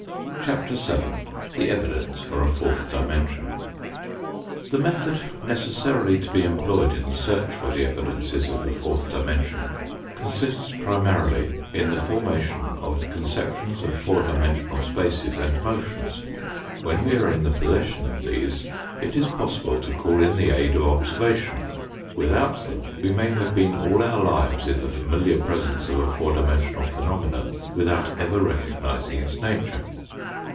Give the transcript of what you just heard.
CHAPTER VII THE EVIDENCES FOR A FOURTH DIMENSION THE method necessarily to be employed in the search for the evidences of a fourth dimension, consists primarily in the formation of the conceptions of four dimensional shapes and motions. When we are in possession of these it is possible to call in the aid of observation, without them we may have been all our lives in the familiar presence of a four dimensional phenomenon without ever recognising its nature.